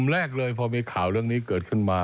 แรกเลยพอมีข่าวเรื่องนี้เกิดขึ้นมา